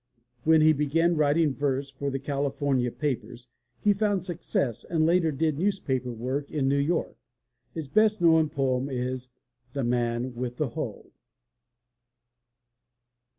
When he began writing verse for the California papers he found success and later did newspaper work in New York. His best known poem is The Man with the Hoe.